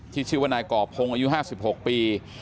ชื่อว่านายก่อพงศ์อายุ๕๖ปี